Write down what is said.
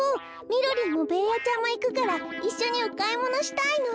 みろりんもベーヤちゃんもいくからいっしょにおかいものしたいの。